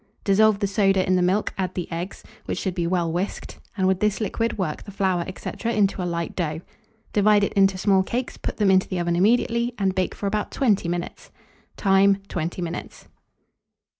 Dissolve the soda in the milk, add the eggs, which should be well whisked, and with this liquid work the flour, &c. into a light dough. Divide it into small cakes, put them into the oven immediately, and bake for about 20 minutes. Time. 20 minutes.